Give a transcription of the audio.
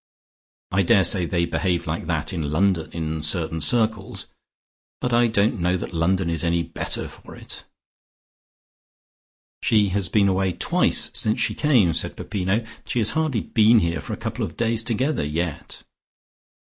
I daresay they behave like that in London in certain circles, but I don't know that London is any better for it." "She has been away twice since she came," said Peppino. "She has hardly been here for a couple of days together yet."